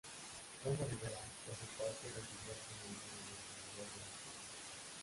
Juan de Ribera, por su parte, recibió el señorío de Montemayor del Río.